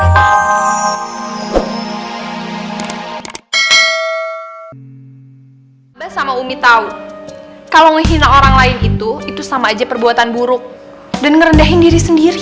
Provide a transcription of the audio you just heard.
mbak sama umi tahu kalau menghina orang lain itu itu sama aja perbuatan buruk dan ngerendahin diri sendiri